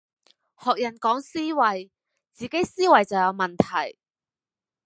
學人講思維，自己思維就有問題